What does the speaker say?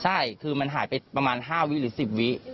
ใช่คือมันหายไปประมาณ๕วิหรือ๑๐วิ